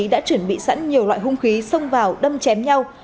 đã chuẩn bị sẵn nhiều loại hung khí xông vào đâm chém nhau